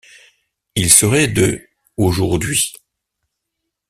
Il serait de aujourd'hui.